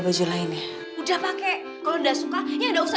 paket minyak telur